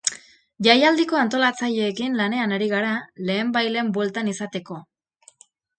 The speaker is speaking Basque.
Jaialdiko antolatzaileekin lanean ari gara, lehenbailehen bueltan izateko.